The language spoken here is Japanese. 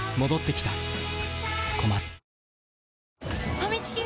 ファミチキが！？